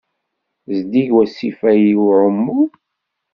Zeddig wasif-a i uɛumu?